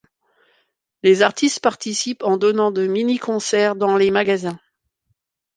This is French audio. Des artistes participent en donnant de mini-concerts dans les magasins.